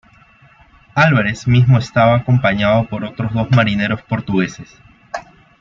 Álvares mismo estaba acompañado por otros dos marineros portugueses.